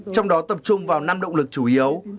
trong đó tập trung vào năm động lực chủ yếu